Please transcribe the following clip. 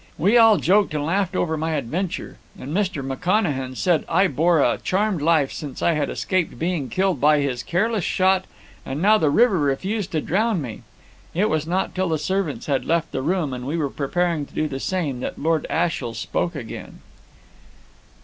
We all joked and laughed over my adventure, and Mr. McConachan said I bore a charmed life, since I had escaped being killed by his careless shot, and now the river refused to drown me. It was not till the servants had left the room, and we were preparing to do the same, that Lord Ashiel spoke again.